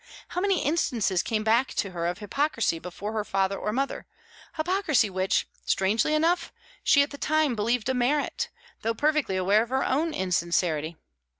How many instances came back to her of hypocrisy before her father or mother, hypocrisy which, strangely enough, she at the time believed a merit, though perfectly aware of her own insincerity!